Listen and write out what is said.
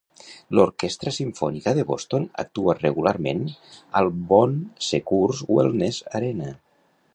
L'Orquestra Simfònica de Boston actua regularment al Bon Secours Wellness Arena.